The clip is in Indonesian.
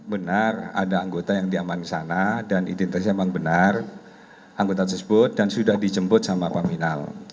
benar ada anggota yang diaman ke sana dan identitasnya memang benar anggota tersebut dan sudah dijemput sama paminal